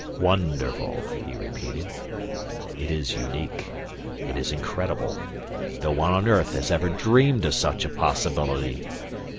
"Wonderful!" he repeated. "It is unique. It is incredible. No one on earth has ever dreamed of such a possibility.